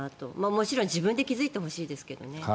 もちろん自分で気付いてほしいですけどね。